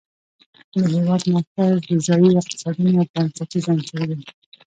د هېواد مرکز د ځایي اقتصادونو یو بنسټیز عنصر دی.